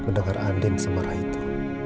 mendengar anding semerah itu